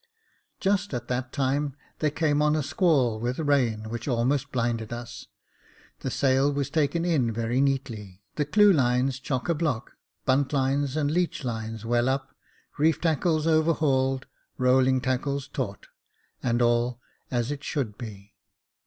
" Just at that time there came on a squall with rain, which almost blinded us ; the sail was taken in very neatly, the clewlines, chock a block, bunt lines and leech Jacob Faithful 153 lines well up, reef tackles overhauled, rolling tackles taut, and all as it should be.